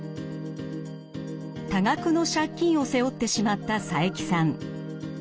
多額の借金を背負ってしまった佐伯さん。